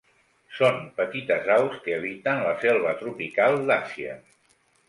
Són petites aus que habiten la selva tropical d'Àsia.